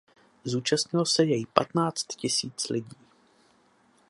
Zúčastnilo se jej patnáct tisíc lidí.